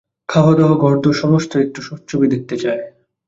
খাওয়া-দাওয়া ঘর-দোর সমস্তই একটু সুচ্ছবি দেখতে চায়।